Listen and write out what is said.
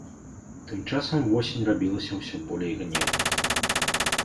Тым часам восень рабілася ўсё болей гнеўнай.